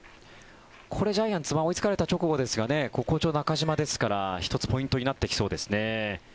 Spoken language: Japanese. これ、ジャイアンツ追いつかれた直後ですが好調の中島ですから１つポイントになってきそうですね。